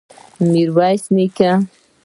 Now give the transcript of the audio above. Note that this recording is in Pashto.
ميرويس نيکه!